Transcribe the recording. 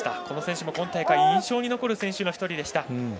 この選手も今大会印象に残る選手でした。